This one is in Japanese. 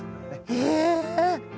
へえ。